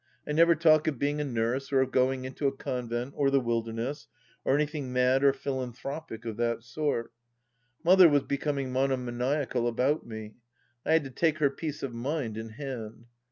I never talk of being a nurse or of going into a convent or the wilderness, or anything mad or philanthropic of that sort. Mother was becoming mono maniacal about me ; I had to take her peace of mind in hand.